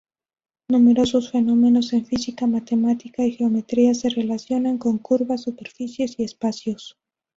Numerosos fenómenos en física matemática y geometría se relacionan con curvas, superficies y espacios.